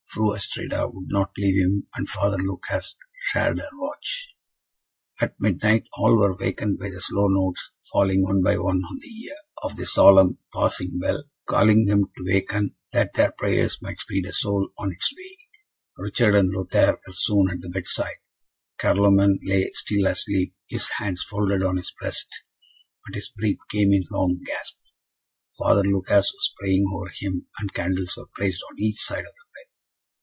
Fru Astrida would not leave him, and Father Lucas shared her watch. At midnight, all were wakened by the slow notes, falling one by one on the ear, of the solemn passing bell, calling them to waken, that their prayers might speed a soul on its way. Richard and Lothaire were soon at the bedside. Carloman lay still asleep, his hands folded on his breast, but his breath came in long gasps. Father Lucas was praying over him, and candles were placed on each side of the bed.